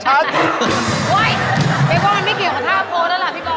ไม่ว่ามันไม่เกี่ยวกับท่าโพสต์แล้วล่ะพี่บอล